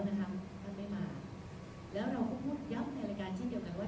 ท่านไม่มาแล้วเราก็พูดย้ำในรายการเช่นเดียวกันว่า